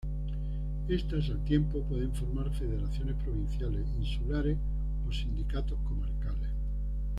Éstas, al tiempo, pueden formar federaciones provinciales, insulares o sindicatos comarcales.